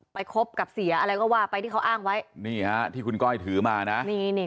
คบกับเสียอะไรก็ว่าไปที่เขาอ้างไว้นี่ฮะที่คุณก้อยถือมานะนี่นี่